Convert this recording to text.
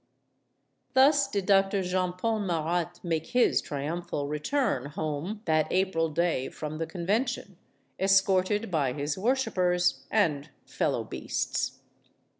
Thus did Doctor Jean Paul Marat make his trium phal return home that April day from the Convention, escorted by his worshipers and fellow beasts.